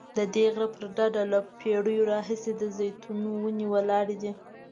ددې غره پر ډډه له پیړیو راهیسې د زیتونو ونې ولاړې دي.